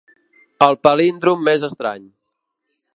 El palíndrom més estrany.